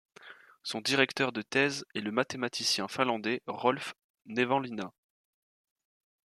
Son directeur de thèse est le mathématicien finlandais Rolf Nevanlinna.